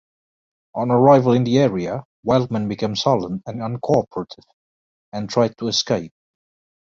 On arrival in the area, Wildman became sullen and uncooperative, and tried to escape.